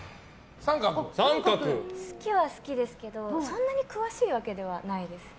好きは好きですけどそんなに詳しいわけではないです。